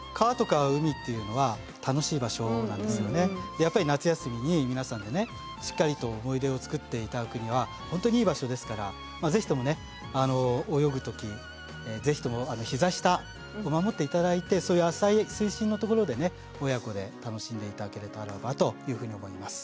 でやっぱり夏休みに皆さんでねしっかりと思い出を作っていただくには本当にいい場所ですから是非ともねあの泳ぐ時是非ともひざ下を守っていただいてそういう浅い水深の所でね親子で楽しんでいただけたらばというふうに思います。